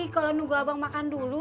kalau nunggu abang makan dulu